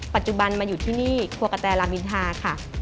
ปัจจุบันมาอยู่ที่นี่ครัวกะแตลามินทาค่ะ